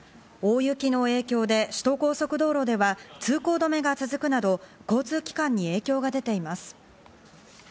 大雪の影響で首都高速道路では通行止めが続くなど交通機関に影響が出ています。